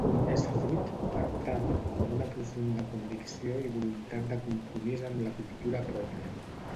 És fruit, per tant, d'una profunda convicció i voluntat de compromís amb la cultura pròpia.